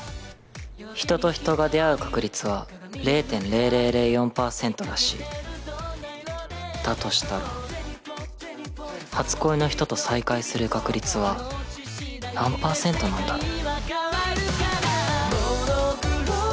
人と人が出会う確率は０．０００４％らしいだとしたら初恋の人と再会する確率は何％なんだろう